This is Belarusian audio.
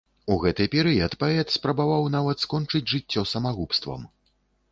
У гэты перыяд паэт спрабаваў нават скончыць жыццё самагубствам.